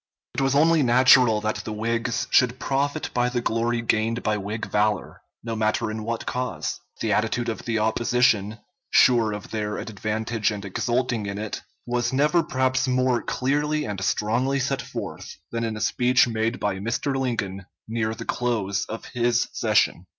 It was only natural that the Whigs should profit by the glory gained by Whig valor, no matter in what cause. The attitude of the opposition sure of their advantage and exulting in it was never perhaps more clearly and strongly set forth than in a speech made by Mr. Lincoln near the close of this session.